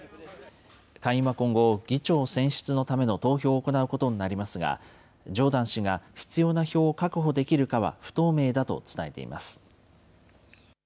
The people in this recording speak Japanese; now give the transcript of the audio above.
下院は今後、議長選出のための投票を行うことになりますが、ジョーダン氏が必要な票を確保できるかは不透明だと伝えています。